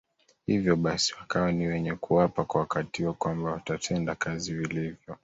hivyo basi wakawa ni wenye kuapa kwa wakati huo kwamba watatenda kazi vilivyo